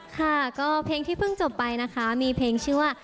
ค่ะก็เพลงที่เพิ่งจบไปนะคะมีเพลงชื่อว่า